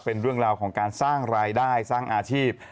เป็นเรื่องราวของการสร้างรายได้สร้างอาชีพ